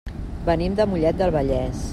Venim de Mollet del Vallès.